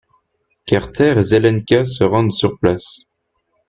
Carter et Zelenka se rendent sur place.